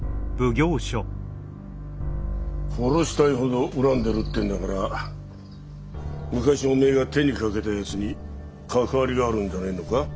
殺したいほど恨んでるってんだから昔おめえが手にかけたやつに関わりがあるんじゃねえのか？